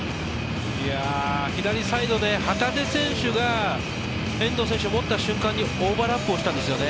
左サイド、旗手選手が、遠藤選手が持った瞬間にオーバーラップしたんです。